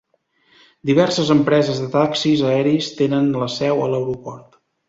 Diverses empreses de taxis aeris tenen la seu a l'aeroport.